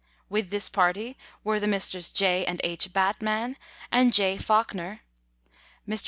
With this party were the Messrs. J. and H. Batman and J. Fawkner. Mr.